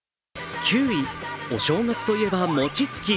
お正月といえば餅つき。